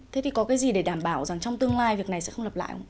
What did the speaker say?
thế thì có cái gì để đảm bảo rằng trong tương lai việc này sẽ không lập lại không